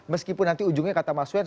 meskipun nanti ujungnya kata mas wen